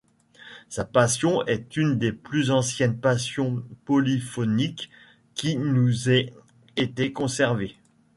Sa Passion est une des plus anciennes passions polyphoniques qui nous aient été conservées.